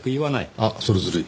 あっそれずるい。